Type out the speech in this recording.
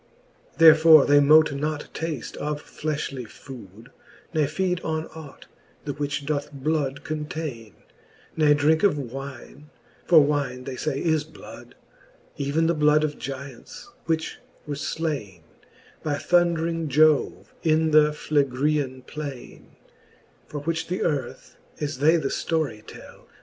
X. Therefore they mote not tafte of flefhly food, Ne feed on ought, the which doth bloud containe, Ne drinke of wine, for wine, they fay, is blood, Even the bloud of Gyants, which were flaine By thundring Jove in the Phlegrean plaine. For which the earth, as they the ftory tell.